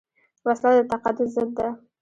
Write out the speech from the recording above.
وسله د تقدس ضد ده